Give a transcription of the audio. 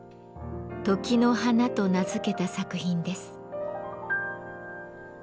「時の花」と名付けた作品です。